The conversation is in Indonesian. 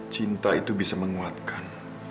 cinta itu bisa menguatkan